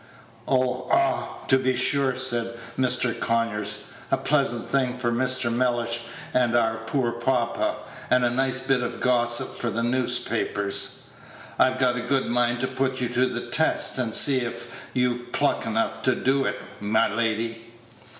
"Oh! ah! to be sure," said Mr. Conyers; "a pleasant thing for Mr. Mellish, and our poor papa, and a nice bit of gossip for the newspapers. I've a good mind to put you to the test, and see if you've pluck enough to do it, my lady."